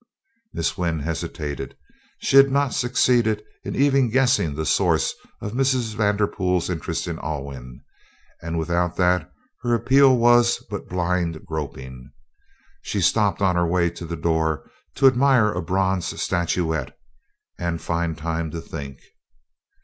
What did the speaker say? Miss Wynn hesitated. She had not succeeded even in guessing the source of Mrs. Vanderpool's interest in Alwyn, and without that her appeal was but blind groping. She stopped on her way to the door to admire a bronze statuette and find time to think.